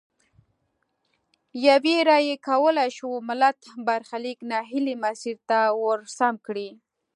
یوې رایې کولای شول ملت برخلیک نا هیلي مسیر ته ورسم کړي.